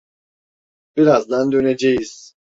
Birazdan döneceğiz.